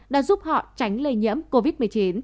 đã giúp họ tránh lây nhiễm covid một mươi chín